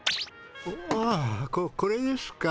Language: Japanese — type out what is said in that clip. ああこれですか？